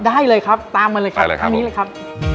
ได้เลยครับตามมาเลยครับ